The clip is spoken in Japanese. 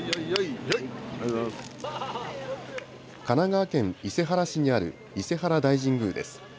神奈川県伊勢原市にある伊勢原大神宮です。